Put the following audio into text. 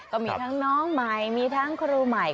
ก็มีทั้งน้องใหม่มีทั้งครูใหม่